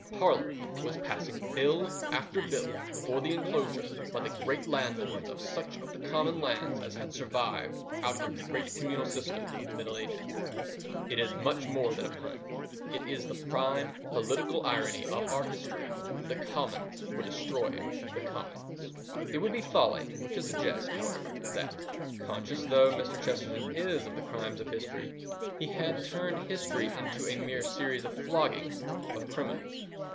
Parliament was passing Bill after Bill for the enclosure by the great landlords of such of the common lands as had survived out of the great communal system of the Middle Ages. It is much more than a pun, it is the prime political irony of our history that the Commons were destroying the commons. It would be folly to suggest, however, that, conscious though Mr. Chesterton is of the crimes of history, he has turned history into a mere series of floggings of criminals.